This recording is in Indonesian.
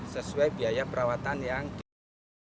sesuai biaya perawatan yang diberikan